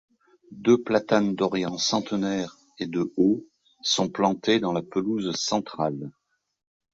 Deux platanes d'Orient centenaires de de haut sont plantés dans la pelouse centrale.